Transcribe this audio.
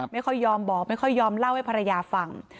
ไม่ยอมบอกไม่ค่อยยอมเล่าให้ภรรยาฟัง